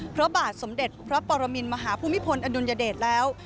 พระบาทสมเด็จพระปรมินมหาภูมิพลอดุลยเดชแล้ว